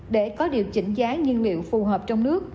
để có điều chỉnh giá nhiên liệu